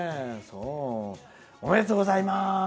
おめでとうございます。